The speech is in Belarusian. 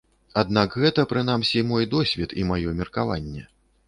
Аднак гэта, прынамсі, мой досвед і маё меркаванне.